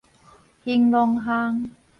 興農巷